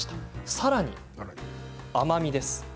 さらに甘みです。